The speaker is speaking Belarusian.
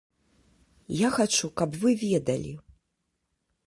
Я хачу, каб вы ведалі.